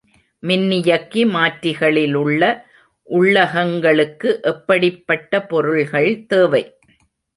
மின்னியக்கி மாற்றிகளிலுள்ள உள்ளகங்களுக்கு எப்படிப் பட்ட பொருள்கள் தேவை?